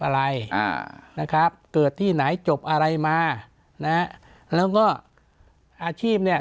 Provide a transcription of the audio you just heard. อะไรอ่านะครับเกิดที่ไหนจบอะไรมานะฮะแล้วก็อาชีพเนี่ย